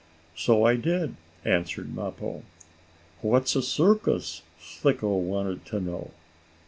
"So I did," answered Mappo. "What's a circus?" Slicko wanted to know.